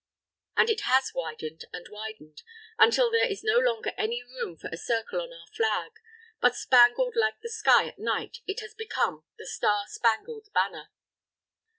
And it has widened and widened, until there is no longer any room for a circle on our Flag; but spangled like the sky at night, it has become the Star Spangled Banner.